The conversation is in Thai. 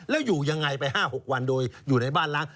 แล้วอยู่ยังไงไป๕๖วันโดยอยู่ในบ้านล้าง